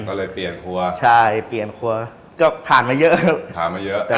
ก็เลยเปลี่ยนครัวใช่เปลี่ยนครัวก็ผ่านมาเยอะผ่านมาเยอะ